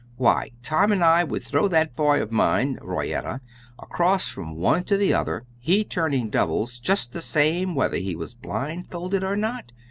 Why, Tom and I would throw that boy of mine (Royetta) across from one to the other, he turning doubles, just the same whether he was blindfolded or not.